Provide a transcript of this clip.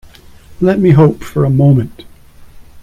Let me hope for a moment!